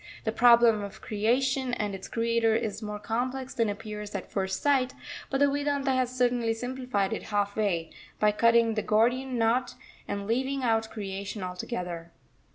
The problem of Creation and its Creator is more complex than appears at first sight; but the Vedanta has certainly simplified it half way, by cutting the Gordian knot and leaving out Creation altogether.